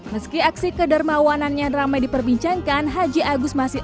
meski aksi kedermawanannya ramai diperbincangkan haji agus masih